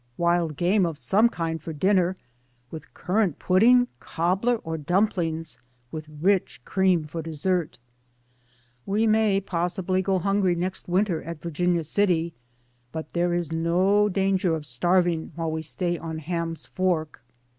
Wild game of some kind for dinner, with currant pudding, cobbler, or dumplings, with rich cream for dessert. We 212 DAYS ON THE ROAD. may possibly go hungry next Winter at Vir ginia City, but there is no danger of starving while we stay on Ham's Fork.